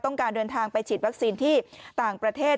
ต้องการเดินทางไปฉีดวัคซีนที่ต่างประเทศ